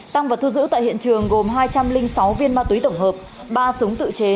tăng vật thu giữ tại hiện trường gồm hai trăm linh sáu viên ma túy tổng hợp ba súng tự chế